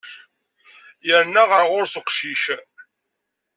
Yerna ɣer ɣur-s uqcic.